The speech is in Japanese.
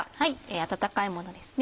温かいものですね